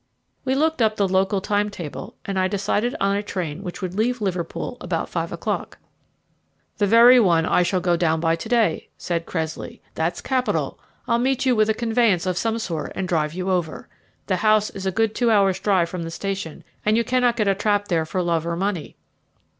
We looked up the local time table, and I decided on a train which would leave Liverpool about five o'clock. "The very one that I shall go down by to day," said Cressley; "that's capital, I'll meet you with a conveyance of some sort and drive you over. The house is a good two hours' drive from the station, and you cannot get a trap there for love or money."